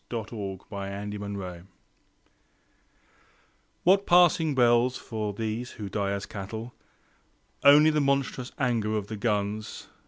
Anthem for Doomed Youth What passing bells for these who die as cattle? Only the monstrous anger of the guns.